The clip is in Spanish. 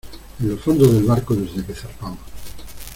en los fondos del barco desde que zarpamos.